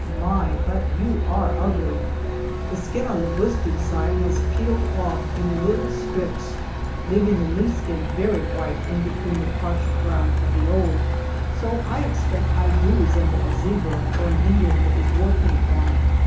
my, but you are ugly!" The skin on the blistered side has peeled off in little strips, leaving the new skin very white in between the parched brown of the old, so I expect I do resemble a zebra or an Indian with his war paint on.